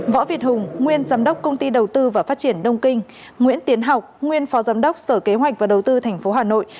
võ việt hùng nguyên giám đốc công ty đầu tư và phát triển đông kinh nguyễn tiến học nguyên phó giám đốc sở kế hoạch và đầu tư tp hà nội